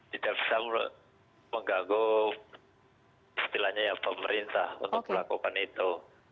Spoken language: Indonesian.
tidak bisa mengganggu istilahnya ya pemerintah untuk melakukan itu